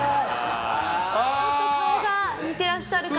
ちょっと顔が似てらっしゃるかな。